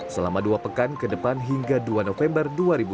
selama dua pekan ke depan hingga dua november dua ribu dua puluh